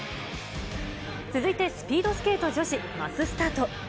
続いて、スピードスケート女子マススタート。